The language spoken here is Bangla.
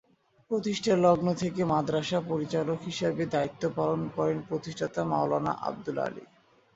প্রতিষ্ঠালগ্ন থেকে মাদ্রাসার পরিচালক হিসেবে দায়িত্ব পালন করেন প্রতিষ্ঠাতা মাওলানা আব্দুল আলী।